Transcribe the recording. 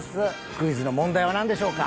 クイズの問題はなんでしょうか？